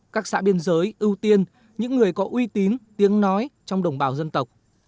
các xã biên giới ưu tiên những người có uy tín tiếng nói trong đồng bào dân tộc